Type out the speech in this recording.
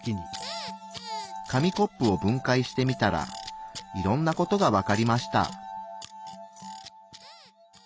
紙コップを分解してみたらいろんな事がわかりました。